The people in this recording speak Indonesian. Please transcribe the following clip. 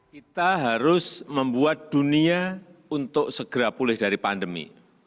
kita harus membuat dunia untuk segera pulih dari pandemi